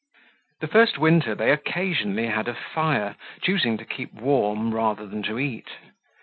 The first winter they occasionally had a fire, choosing to keep warm rather than to eat.